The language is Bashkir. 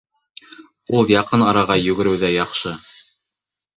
Ул яҡын араға йүгереүҙә яҡшы